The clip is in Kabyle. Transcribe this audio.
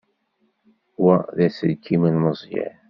Wa d aselkim n Meẓyan.